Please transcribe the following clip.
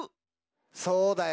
そうだよ。